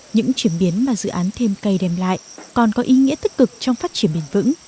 những chuyển biến mà dự án thêm cây đem lại còn có ý nghĩa tích cực trong phát triển bền vững